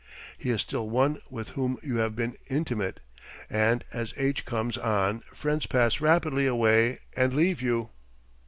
He is still one with whom you have been intimate, and as age comes on friends pass rapidly away and leave you.